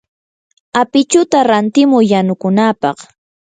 apichuta rantimuy yanukunapaq.